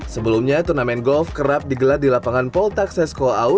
sebelumnya turnamen golf kerap digelar di lapangan pol taksesco au